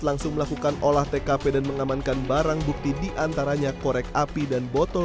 langsung melakukan olah tkp dan mengamankan barang bukti diantaranya korek api dan botol